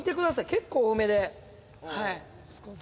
結構多めではい。